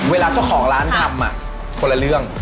เวลาเจ้าของร้านทำคนละเรื่อง